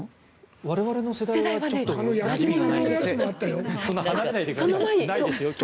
我々の世代はちょっとなじみがないですね。